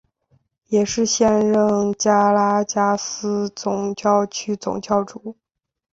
也是现任加拉加斯总教区总主教。